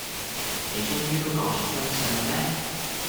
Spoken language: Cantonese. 你終於都講出真相喇咩